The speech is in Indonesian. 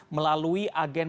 melalui agen perusahaan